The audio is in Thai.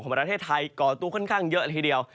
ประเทศไทยก่อตัวค่อนข้างเยอะละทีเดียว